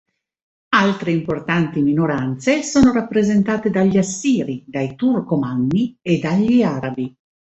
Altre importanti minoranze sono rappresentate dagli assiri, dai turcomanni e dagli arabi.